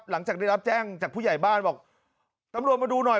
หลังจากได้รับแจ้งจากผู้ใหญ่บ้านบอกตำรวจมาดูหน่อย